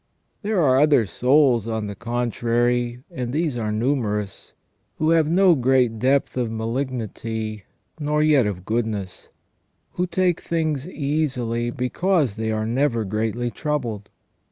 There are other souls, on the contrary, and these are numerous, who have no great depth of malignity nor yet of goodness, who take things easily because they are never greatly troubled.